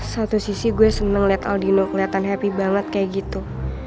satu sisi gue seneng liat aldino kelihatan happy banget kayak gitu